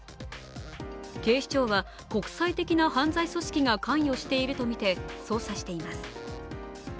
警視庁は国際的な犯罪組織が関与しているとみて捜査しています。